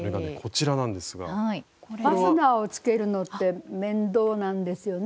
ファスナーをつけるのって面倒なんですよね